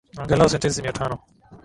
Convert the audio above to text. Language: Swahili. Angalau sentesi mia tano